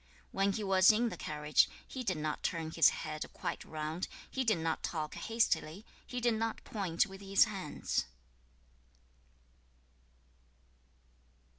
2. When he was in the carriage, he did not turn his head quite round, he did not talk hastily, he did not point with his hands.